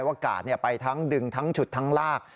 กาดไปทั้งดึงทั้งฉุดทั้งลาก